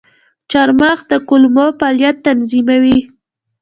چارمغز د کولمو فعالیت تنظیموي.